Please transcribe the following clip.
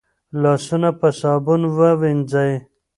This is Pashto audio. لاسونه په صابون ووينځئ